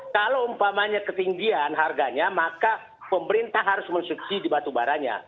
kalau umpamanya ketinggian harganya maka pemerintah harus mensubsidi batu baranya